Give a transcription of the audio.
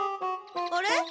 あれ？